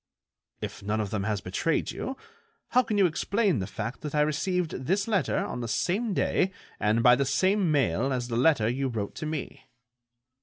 "If none of them has betrayed you, how can you explain the fact that I received this letter on the same day and by the same mail as the letter you wrote to me?"